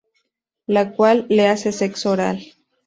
La cual le hace sexo oral.